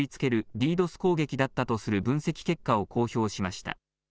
ＤＤｏｓ攻撃だったとする分析結果を公表しました。